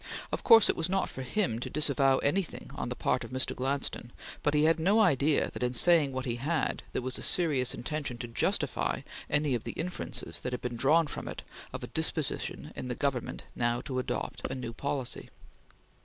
Of course it was not for him to disavow anything on the part of Mr. Gladstone; but he had no idea that in saying what he had, there was a serious intention to justify any of the inferences that had been drawn from it of a disposition in the Government now to adopt a new policy....